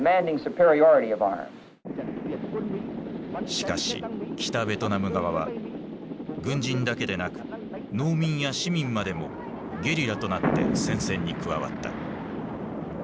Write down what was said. しかし北ベトナム側は軍人だけでなく農民や市民までもゲリラとなって戦線に加わった。